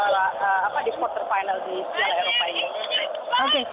pertama kali terakhir di siala europea ini